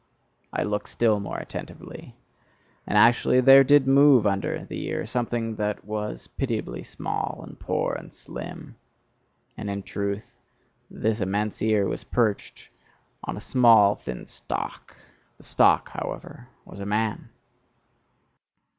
I looked still more attentively and actually there did move under the ear something that was pitiably small and poor and slim. And in truth this immense ear was perched on a small thin stalk the stalk, however, was a man!